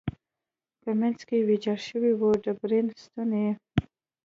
په منځ کې ویجاړ شوی و، ډبرین ستون یې.